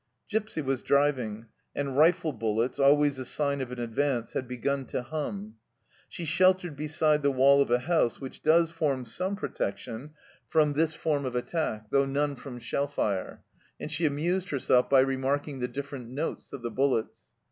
Gipsy was driving, and rifle bullets, always a sign of an advance, had begun to hum. She sheltered beside the wall of a house, which does form some protection from this 13 98 THE CELLAR HOUSE OF PERVYSE form of attack, though none from shell fire, arid she amused herself by remarking the different notes of the bullets.